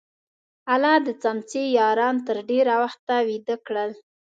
الله د څمڅې یاران تر ډېره وخته ویده کړل.